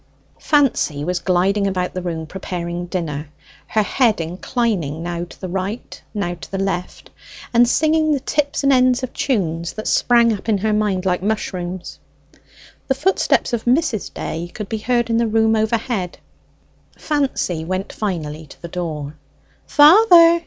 Fancy was gliding about the room preparing dinner, her head inclining now to the right, now to the left, and singing the tips and ends of tunes that sprang up in her mind like mushrooms. The footsteps of Mrs. Day could be heard in the room overhead. Fancy went finally to the door. "Father!